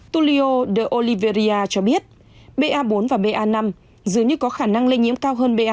tulio de oliveira cho biết ba bốn và ba năm dường như có khả năng lây nhiễm cao hơn ba hai